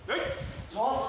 お願いします！